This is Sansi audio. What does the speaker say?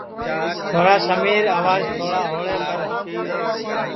چھورا سمیر آواج تھوڑا ہوݪے کر